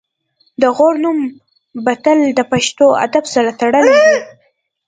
د غور نوم به تل د پښتو ادب سره تړلی وي